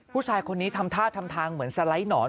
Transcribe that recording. ผู้ชายคนนี้ทำท่าทำทางเหมือนสไลด์หนอน